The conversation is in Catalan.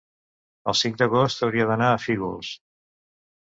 el cinc d'agost hauria d'anar a Fígols.